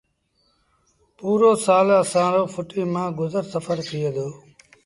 پُورو سآل اسآݩ رو ڦُٽيٚ مآݩ گزر سڦر ٿئي دو